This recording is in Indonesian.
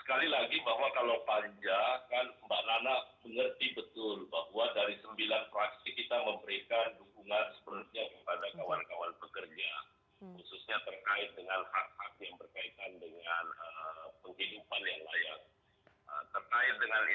sekali lagi bahwa kalau panja kan mbak nana mengerti betul bahwa dari sembilan praksi kita memberikan dukungan sepenuhnya kepada kawan kawan pekerja